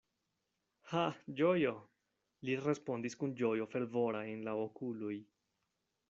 Ha, ĝojo! li respondis kun ĝojo fervora en la okuloj.